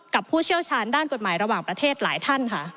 ผู้เชี่ยวชาญด้านกฎหมายระหว่างประเทศหลายท่านค่ะ